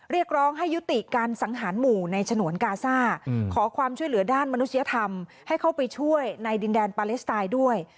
เรียกร้องให้ยุติการสังหารหมู่ในฉนวนกาซ่าขอความช่วยเหลือด้านมนุษยธรรมให้เข้าไปช่วยในดินแดนปาเลสไตน์ด้วย